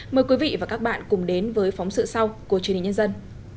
mời quý vị và các bạn cùng đến với phóng sự sau của truyền hình nhân dân